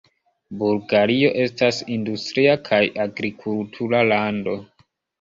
Bulgario estas industria kaj agrikultura lando.